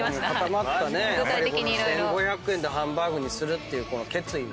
１，５００円でハンバーグにするっていうこの決意もね。